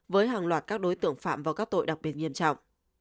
với hàng loạt các đối tượng phạm vào các tội đặc biệt nghiêm trọng